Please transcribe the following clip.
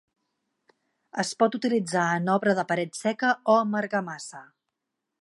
Es pot utilitzar en obra de paret seca o amb argamassa.